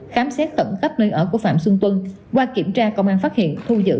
khám xét tận khắp nơi ở của phạm xuân tuân qua kiểm tra công an phát hiện thu giữ